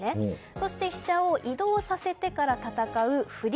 そして飛車を移動させてから戦う振り